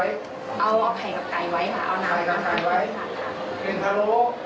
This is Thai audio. ทีนี้วันอาทิตย์หยุดแล้วก็วันจันทร์ก็หยุด